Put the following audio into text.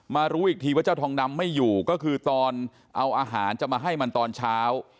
รู้อีกทีว่าเจ้าทองดำไม่อยู่ก็คือตอนเอาอาหารจะมาให้มันตอนเช้า